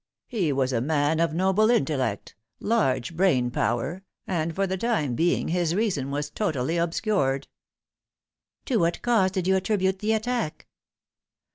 He was a man of noble intellect, large brain power, and for the time being his reason was totally obscured." " To what cause did you attribute the attack